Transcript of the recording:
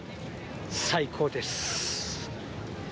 最高です。